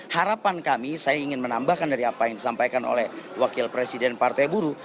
harapan kami saya ingin menambahkan dari apa yang disampaikan oleh wakil presiden partai buruh